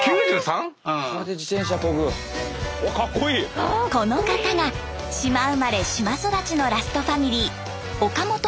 この方が島生まれ島育ちのラストファミリー